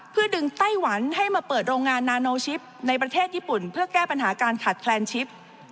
เพื่อดึงไต้หวันให้มาเปิดโรงงานนาโนชิปในประเทศญี่ปุ่นเพื่อแก้ปัญหาการขาดแคลนชิป